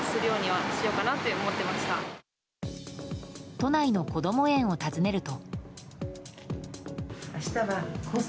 都内のこども園を訪ねると。